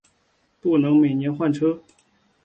不能每年换车